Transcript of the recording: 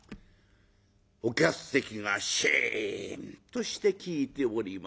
お客席がシーンとして聞いております。